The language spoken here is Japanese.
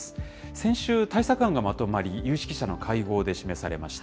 先週、対策案がまとまり、有識者の会合で示されました。